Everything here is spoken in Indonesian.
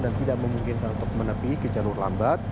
dan tidak memungkinkan untuk menepi ke jalur lambat